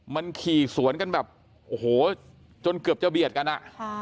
มันขี่สวนกันแบบโอ้โหจนเกือบจะเบียดกันอ่ะ